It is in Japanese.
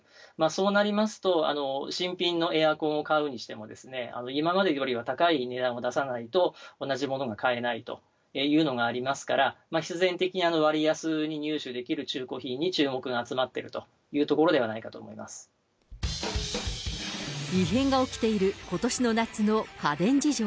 そうなりますと、新品のエアコンを買うにしても、今までよりは高い値段を出さないと、同じものが買えないというのがありますから、必然的に、割安に入手できる中古品に注目が集まってるというところではない異変が起きていることしの夏の家電事情。